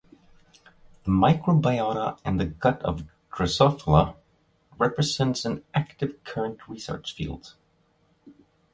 The microbiota in the gut of "Drosophila" represents an active current research field.